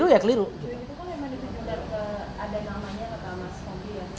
itu kan yang mana di pindah ke ada namanya mas taufik ya